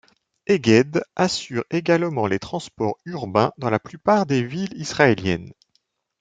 Egged assure également les transports urbains dans la plupart des villes israéliennes.